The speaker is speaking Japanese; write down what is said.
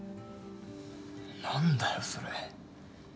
何だよそれ。